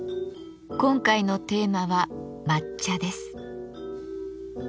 今回のテーマは「抹茶」です。